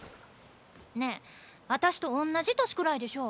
ねえ私とおんなじ年くらいでしょ？